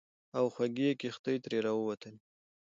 او خوږې کیښتې ترې راووتلې.